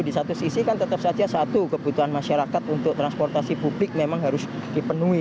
di satu sisi kan tetap saja satu kebutuhan masyarakat untuk transportasi publik memang harus dipenuhi